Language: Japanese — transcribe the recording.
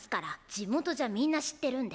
地元じゃみんな知ってるんで。